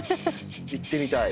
行ってみたい。